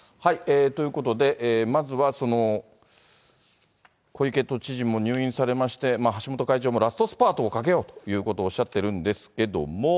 ということで、まずは、小池都知事も入院されまして、橋本会長もラストスパートをかけようということをおっしゃっているんですけれども。